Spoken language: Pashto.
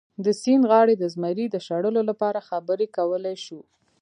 د سیند غاړې د زمري د شړلو لپاره خبرې کولی شو.